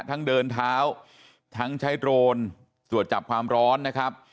ทั้งเดินเท้าทั้งใช้โดรนตรวจจับความร้อนนะครับ